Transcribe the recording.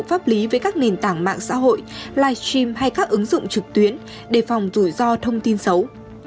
pháp lý với các nền tảng mạng xã hội live stream hay các ứng dụng trực tuyến đề phòng rủi ro thông tin xấu